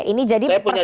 ini jadi persoalannya